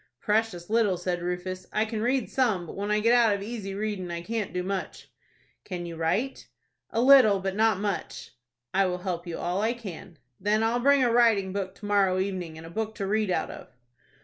"Precious little," said Rufus. "I can read some, but when I get out of easy reading I can't do much." "Can you write?" "A little, but not much." "I will help you all I can." "Then I'll bring a writing book to morrow evening, and a book to read out of."